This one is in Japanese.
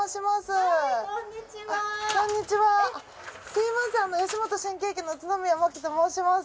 すみません吉本新喜劇の宇都宮まきと申します。